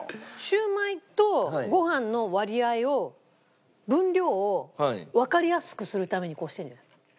シウマイとご飯の割合を分量をわかりやすくするためにこうしてるんじゃないですか？